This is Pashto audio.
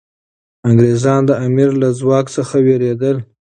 انګریزان د امیر له ځواک څخه ویرېدل.